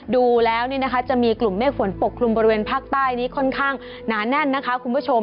ดูแล้วจะมีกลุ่มเมฆฝนปกคลุมบริเวณภาคใต้นี้ค่อนข้างหนาแน่นนะคะคุณผู้ชม